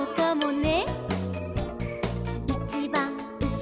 「ね！」